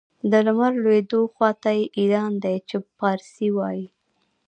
د لمر لوېدو خواته یې ایران دی چې پارسي وايي.